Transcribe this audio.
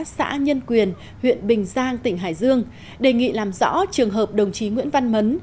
xã nhân quyền huyện bình giang tỉnh hải dương đề nghị làm rõ trường hợp đồng chí nguyễn văn mấn